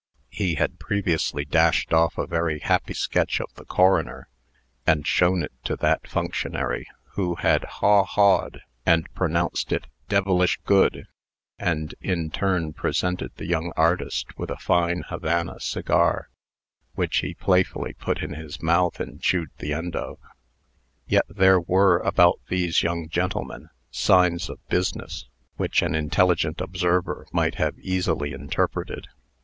He had previously dashed off a very happy sketch of the coroner, and shown it to that functionary, who had "haw hawed," and pronounced it "devilish good," and, in turn, presented the young artist with a fine Havana cigar, which he playfully put in his mouth and chewed the end of. Yet there were, about these young gentlemen, signs of business, which an intelligent observer might have easily interpreted.